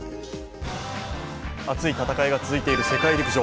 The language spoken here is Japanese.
熱い戦いが続いている世界陸上。